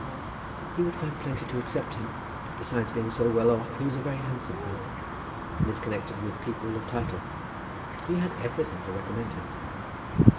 "He would find plenty to accept him. Besides being so well off he was a very handsome fellow, and is connected with people of title. He had everything to recommend him."